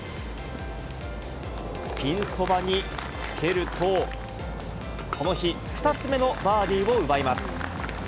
ピンそばにつけると、この日２つ目のバーディーを奪います。